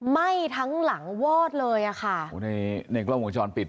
ไหม้ทั้งหลังวอดเลยอะค่ะในกล้องมุมจรปิด